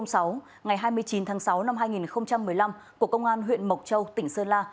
ngày hai mươi chín tháng sáu năm hai nghìn một mươi năm của công an huyện mộc châu tỉnh sơn la